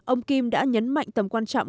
ông kim đã nhấn mạnh tầm quan trọng